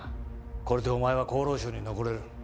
これでお前は厚労省に残れる